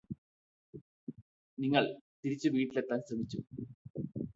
നിങ്ങള് തിരിച്ചു വീട്ടിലെത്താൻ ശ്രമിച്ചു